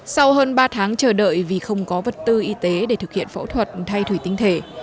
sau hơn ba tháng chờ đợi vì không có vật tư y tế để thực hiện phẫu thuật thay thủy tinh thể